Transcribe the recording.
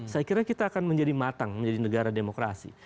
saya kira kita akan menjadi matang menjadi negara demokrasi